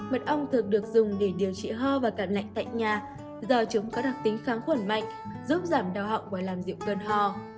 mật ong thường được dùng để điều trị ho và cảm lạnh tại nhà do chúng có đặc tính kháng khuẩn mạnh giúp giảm đau họng và làm dịu cơn hò